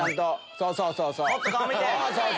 そうそうそう！